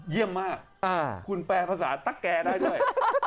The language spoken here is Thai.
เยี่ยมมากคุณแปลภาษาตั๊กแกได้ด้วย